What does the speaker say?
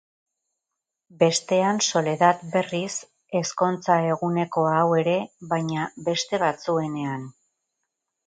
Bestean Soledad berriz, ezkontza egunekoa hau ere, baina beste batzuenean.